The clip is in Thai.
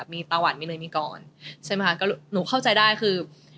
มีตาหวัดมีเหนยมมิกรใช่มั้ยคะก็หนูเข้าใจได้คือ